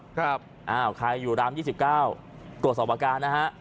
ครับอ้าวใครอยู่ราม๒๙กดสอบการณ์นะฮะ